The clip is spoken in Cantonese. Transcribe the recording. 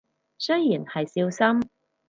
雖然係少深